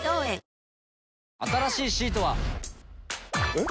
えっ？